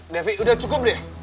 devi udah cukup deh